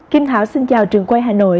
kim thảo xin chào trường quay hà nội